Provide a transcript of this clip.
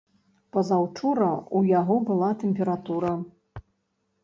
Пазаўчора ў яго была тэмпература.